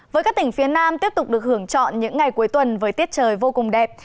với các tỉnh phía nam tiếp tục được hưởng chọn những ngày cuối tuần với tiết trời vô cùng đẹp